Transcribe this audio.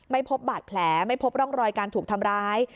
ไม่พบบาดแผลไม่พบร่องรอยการถูกทำร้าย